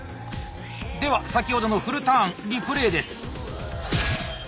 では先ほどのフルターンリプレーです。